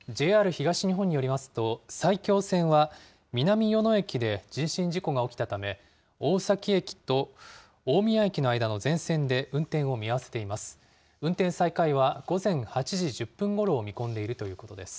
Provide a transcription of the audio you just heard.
ＪＲ東日本によりますと、埼京線は南与野駅で人身事故が起きたため、大崎駅と大宮駅の間の全線で運転を見合わせています。